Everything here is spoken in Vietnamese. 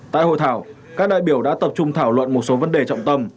tại hội thảo các đại biểu đã tập trung thảo luận một số vấn đề trọng tâm